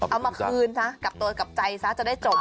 เอามาคืนซะกลับตัวกลับใจซะจะได้จบ